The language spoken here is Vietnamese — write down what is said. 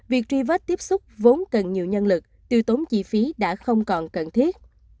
việc truy vết tiếp xúc vốn cần nhiều nhân lực tiêu tốn chi phí đã không còn cần thiết